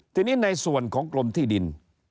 ทีนี้ในส่วนของกรมที่ดิน